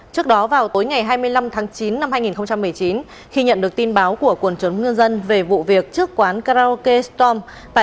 trước đó vào tối ngày hai mươi năm tháng chín năm hai nghìn một mươi chín khi nhận được tin báo của quần chống ngư dân về vụ việc trước quán karaoke stom